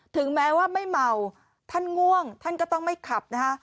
ถึงแม้ว่าไม่เมาท่านง่วงท่านก็ต้องไม่ขับนะคะ